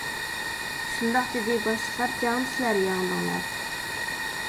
شۇنداق دېدى باشلىقلار، جەڭدە سىلەر يەڭدىڭلار.